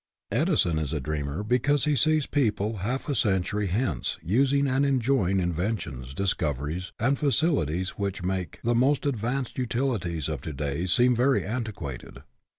Edison is a dreamer because he sees people half a century hence using and enjoying inven tions, discoveries, and facilities which make the most advanced utilities of to day seem very antiquated.